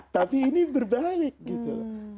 tapi ini berbalik gitu